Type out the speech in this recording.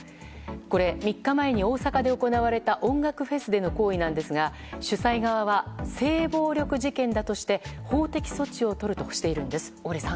これ、３日前に大阪で行われた音楽フェスでの行為なんですが主催側は性暴力事件だとして法的措置をとるとしているんです。